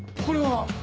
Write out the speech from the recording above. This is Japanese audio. これは？